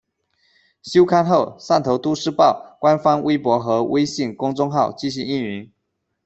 休刊后，《汕头都市报》官方微博和微信公众号继续运营。